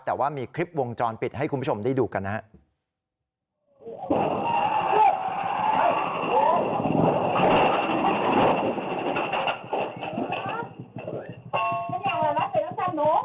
แต่ว่ามีคลิปวงจรปิดให้คุณผู้ชมได้ดูกันนะครับ